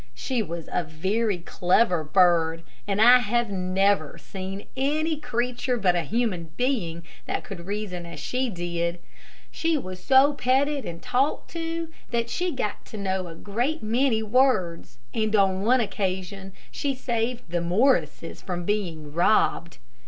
She was a very clever bird, and I have never seen any creature but a human being that could reason as she did. She was so petted and talked to that she got to know a great many words, and on one occasion she saved the Morrises from being robbed.